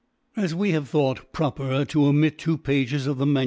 As we have thought proper to omit two pages of the MS.